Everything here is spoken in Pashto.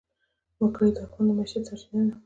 وګړي د افغانانو د معیشت سرچینه ده.